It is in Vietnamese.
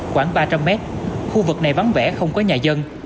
khoảng ba trăm linh mét khu vực này vắng vẻ không có nhà dân